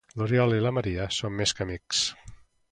L'Oriol i la Maria són més que amics.